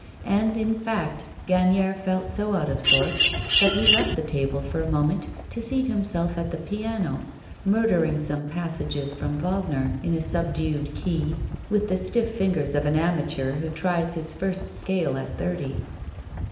And, in fact, Gagnière felt so out of sorts that he left the table for a moment to seat himself at the piano, murdering some passages from Wagner in a subdued key, with the stiff fingers of an amateur who tries his first scale at thirty.